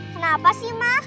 kenapa sih ma